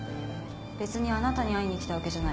別にあなたに会いに来たわけじゃない。